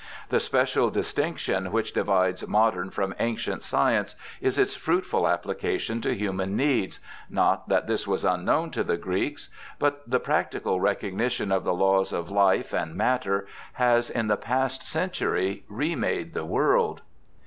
The special dis tinction which divides modern from ancient science is its fruitful application to human needs — not that this was unknown to the Greeks ; but the practical re cognition of the laws of life and matter has in the past century remade the world.